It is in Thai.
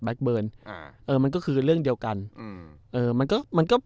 เบิร์นอ่าเออมันก็คือเรื่องเดียวกันอืมเออมันก็มันก็